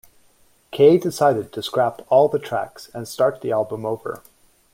Kay decided to scrap all the tracks and start the album over.